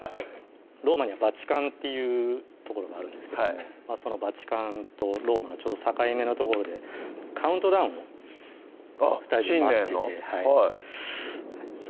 ローマにはバチカンっていう所があるんですけどもそのバチカンとローマのちょうど境目の所でカウントダウンを２人で待っててあっ新年の？